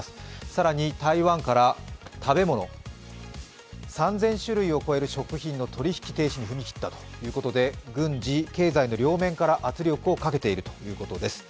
更に台湾から食べ物、３０００種類を超える食品の取り引き停止に踏み切ったということで軍事・経済の両面から圧力をかけているということです。